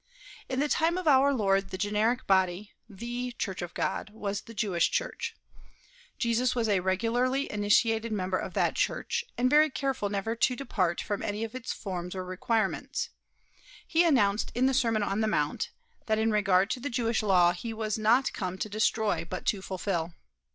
In the time of our Lord the generic body the Church of God was the Jewish church. Jesus was a regularly initiated member of that church, and very careful never to depart from any of its forms or requirements. He announced in the Sermon on the Mount that, in regard to the Jewish law, he was not come to destroy but to fulfill.